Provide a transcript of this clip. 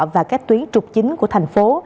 và các tuyến trục chính của thành phố